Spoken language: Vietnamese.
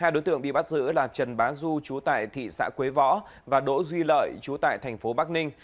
hai đối tượng bị bắt giữ là trần bá du chú tại thị xã quế võ và đỗ duy lợi chú tại thành phố bắc ninh